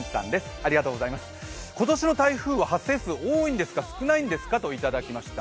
今年の台風は発生数は多いんですか、少ないんですかといただきました。